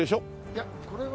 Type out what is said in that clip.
いやこれは。